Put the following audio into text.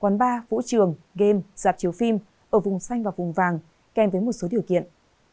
quán bar vũ trường game dạp chiếu phim ở vùng xanh và vùng vàng kèm với một số điều kiện